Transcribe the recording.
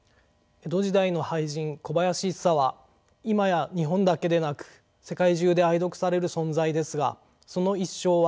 江戸時代の俳人小林一茶は今や日本だけでなく世界中で愛読される存在ですがその一生は苦難に満ちていました。